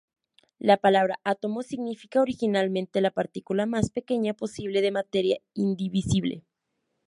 La palabra átomo significa originalmente la partícula más pequeña posible de materia, indivisible.